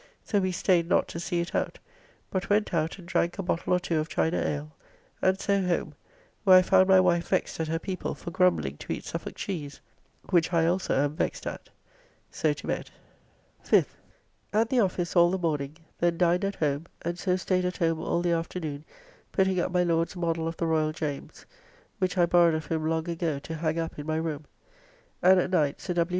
So we staid not to see it out, but went out and drank a bottle or two of China ale, and so home, where I found my wife vexed at her people for grumbling to eat Suffolk cheese, which I also am vexed at. So to bed. 5th. At the office all the morning, then dined at home, and so staid at home all the afternoon putting up my Lord's model of the Royal James, which I borrowed of him long ago to hang up in my room. And at night Sir W.